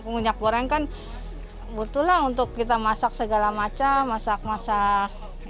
minyak goreng kan butuh lah untuk kita masak segala macam masak masak